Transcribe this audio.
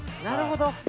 なるほど！